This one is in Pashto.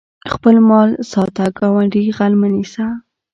خپل مال ساته ګاونډي غل مه نیسه